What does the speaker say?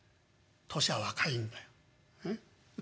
年は若いんだよね？